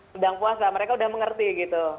sedang puasa mereka udah mengerti gitu